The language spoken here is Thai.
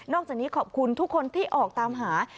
อกจากนี้ขอบคุณทุกคนที่ออกตามหา